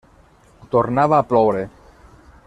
Tornava a ploure.